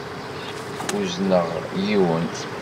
Uzneɣ yiwen.